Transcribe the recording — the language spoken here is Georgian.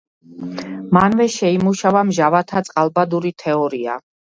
მანვე შეიმუშავა მჟავათა წყალბადური თეორია.